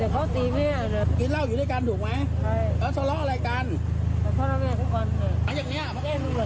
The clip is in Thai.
พี่ป้าเมา